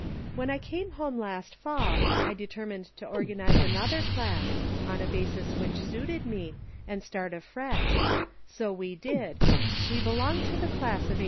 When I came home last fall, I determined to organize another class, on a basis which suited me, and start afresh ; so we did : we belong to the class of '87.